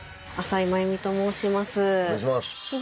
お願いします。